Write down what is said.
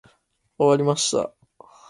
終わりました。